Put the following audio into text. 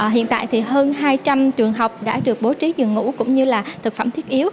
hiện tại thì hơn hai trăm linh trường học đã được bố trí giường ngủ cũng như là thực phẩm thiết yếu